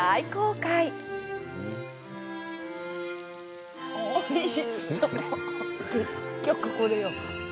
結局これよ。